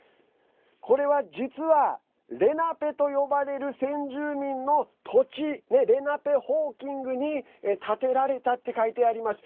これは、実はレナペと呼ばれる先住民の土地レナペホーキングに建てられたって書いてあります。